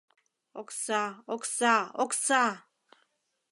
Окса, окса, окса!